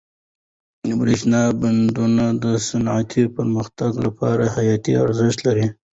د برښنا بندونه د صنعتي پرمختګ لپاره حیاتي ارزښت لري.